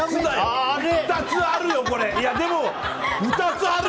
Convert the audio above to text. ２つあるよ、これ！